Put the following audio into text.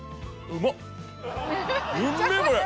うめえこれ！